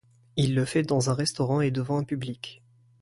Il le fait dans un restaurant et devant un public.